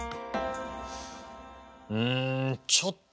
うんちょっと